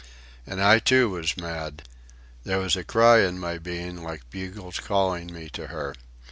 And I, too, was mad. There was a cry in my being like bugles calling me to her.